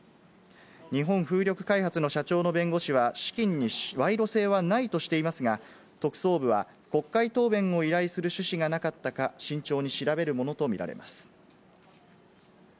日本風力開発の社長の弁護士は資金に賄賂性はないとしていますが、特捜部は国会答弁を依頼する趣旨がなかったか慎重に調べるものとみられます。